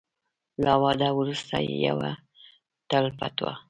له واده وروسته یوه تل پټوه .